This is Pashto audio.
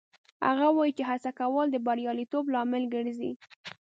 هغه وایي چې هڅه کول د بریالیتوب لامل ګرځي